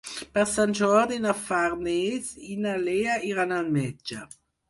Per Sant Jordi na Farners i na Lea iran al metge.